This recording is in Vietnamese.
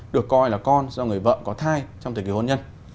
được coi là con do người vợ có thai trong thời kỳ hôn nhân